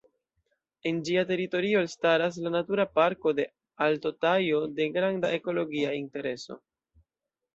En ĝia teritorio elstaras la Natura Parko de Alto Tajo, de granda ekologia intereso.